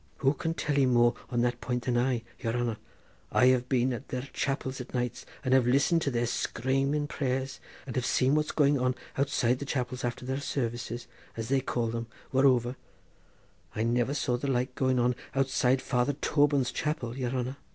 Who can tell ye more on that point than I, yere hanner? I have been at their chapels at nights and have listened to their screaming prayers, and have seen what's been going on outside the chapels after their services, as they call them, were over—I never saw the like going on outside Father Toban's chapel, yere hanner!